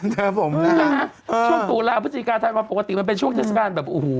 ครับผมนะฮะช่วงตุลาพฤศจิกาธันวาปกติมันเป็นช่วงเทศกาลแบบโอ้โห